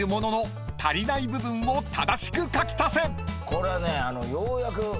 これはねようやく。